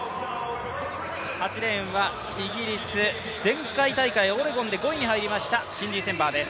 ８レーンはイギリス、前回大会オレゴンで５位に入りましたシンディ・センバーです。